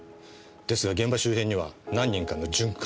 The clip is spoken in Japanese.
ですが現場周辺には何人かの準幹部がいて。